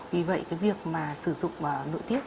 vì vậy cái việc mà sử dụng nội tiết